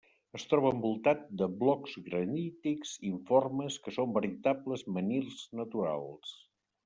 Es troba envoltat de blocs granítics informes que són veritables menhirs naturals.